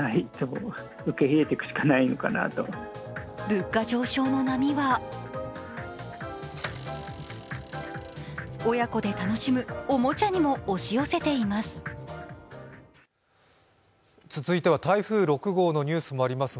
物価上昇の波は親子で楽しむおもちゃにも押し寄せています。